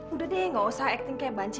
udah deh gak usah acting kayak bunci